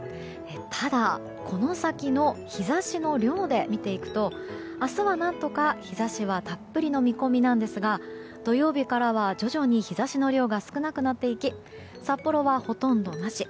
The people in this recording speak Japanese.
ただ、この先の日差しの量で見ていくと明日は何とか、日差しはたっぷりの見込みなんですが土曜日からは徐々に日差しの量が少なくなっていき札幌はほとんどなし。